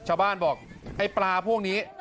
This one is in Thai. ชาวบ้านบอกไอ้ปลาพวกนี้